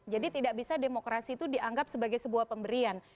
jadi tidak bisa demokrasi itu dianggap sebagai sebuah pemberian